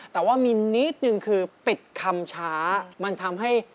แต่ว่ามีนิดนึงคือปิดคำช้ามันทำให้